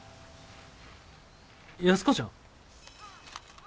安子ちゃん？